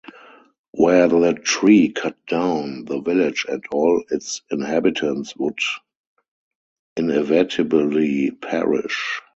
Were the tree cut down, the village and all its inhabitants would inevitably perish.